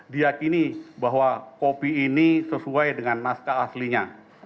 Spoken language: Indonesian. diakini bahwa kopi ini sesuai dengan naskah aslinya